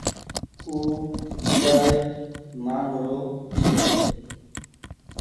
او اوڍآري مآنگ رو ڇي۔